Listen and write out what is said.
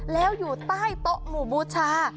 แล้วอยู่ใต้โต๊ะหมู่บูชา